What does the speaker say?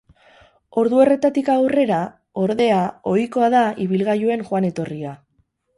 Ordu horretatik aurrera, ordea, ohikoa da ibilgailuen joan-etorria.